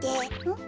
ん？